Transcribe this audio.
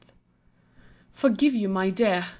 Forgive you, my dear!